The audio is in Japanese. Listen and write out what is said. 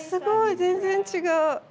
全然違う！